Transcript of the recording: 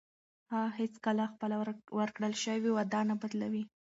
هغه هیڅکله خپله ورکړل شوې وعده نه بدلوي.